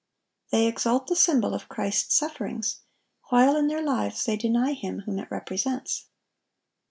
They exalt the symbol of Christ's sufferings, while in their lives they deny Him whom it represents.